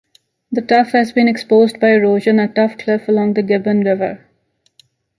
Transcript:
The tuff has been exposed by erosion at Tuff Cliff along the Gibbon River.